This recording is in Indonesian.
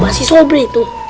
tapi masih sobri itu